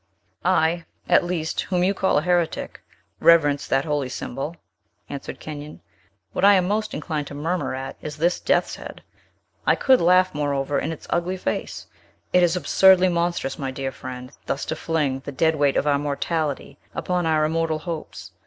"I, at least, whom you call a heretic, reverence that holy symbol," answered Kenyon. "What I am most inclined to murmur at is this death's head. I could laugh, moreover, in its ugly face! It is absurdly monstrous, my dear friend, thus to fling the dead weight of our mortality upon our immortal hopes.